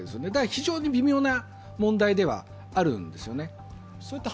非常に微妙な問題ではあるんですよね。